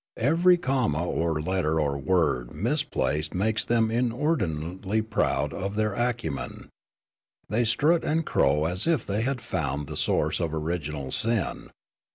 Every comma or letter or word misplaced makes them inordinately proud of their acu men ; they strut and crow as if they had found the source of original sin.